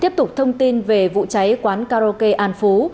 tiếp tục thông tin về vụ cháy quán karaoke an phú